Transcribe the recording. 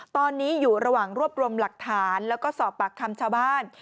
ตอนนี้อยู่ระหว่างรวบรวมหลักฐานแล้วก็สอบปากคำชาวบ้าน